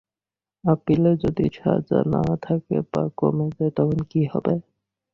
আপিলে যদি সাজা না থাকে বা কমে যায়, তখন কী হবে?